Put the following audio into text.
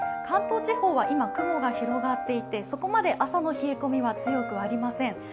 関東地方は今、雲が広がっていてそこまで朝の冷え込みは強くありません。